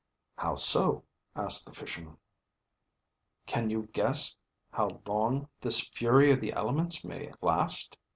"How so?" asked the fisherman. "Can you guess how long this fury of the elements may last?"